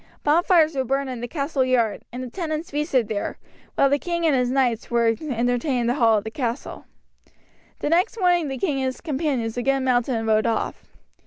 Bonfires were burned in the castle yard, and the tenants feasted there, while the king and his knights were entertained in the hall of the castle. The next morning the king and his companions again mounted and rode off.